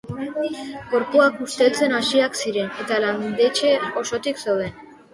Gorpuak usteltzen hasiak ziren, eta landetxe osotik zeuden.